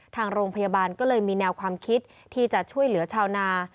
ทางโรงพยาบาลก็เลยมีแนวความคิดที่จะช่วยเหลือชาวนา